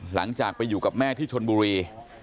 หลังจากไปอยู่กับแม่ที่ชนบุรี